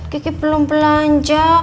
kiki belum belanja